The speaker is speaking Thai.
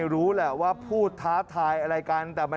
ขอบคุณครับ